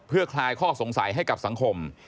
เพื่อคลายข้อสงสัยให้กับสังคม